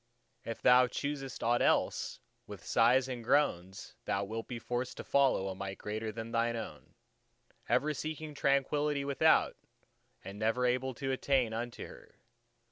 If thou choosest aught else, with sighs and groans thou wilt be forced to follow a Might greater than thine own, ever seeking Tranquillity without, and never able to attain unto her.